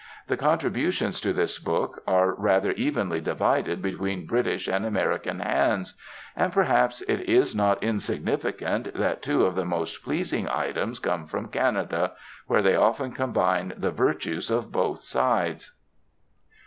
The contributions to this book are rather evenly divided between British and American hands; and perhaps it is not insignificant that two of the most pleasing items come from Canada, where they often combine the virtues of both sides.